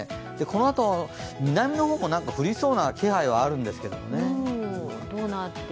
このあとの南の方もなんか降りそうな気配もあるんですけどね。